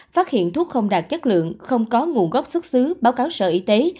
phát hiện thuốc không đạt chất lượng không có nguồn gốc xuất xứ báo cáo sở y tế